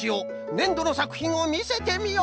ねんどのさくひんをみせてみよ！